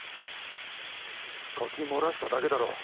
書き漏らしただけだろう。